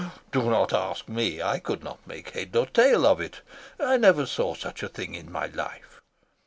"Do not ask me. I could not make head or tail of it. I never saw such a thing in my life.